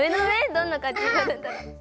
どんなかんじになるんだろう。